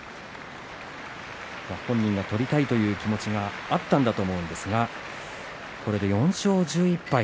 本人が取りたいという気持ちがあったんだと思うんですがこれで４勝１１敗。